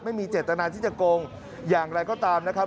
ไม่มีเจตนาที่จะโกงอย่างไรก็ตามนะครับ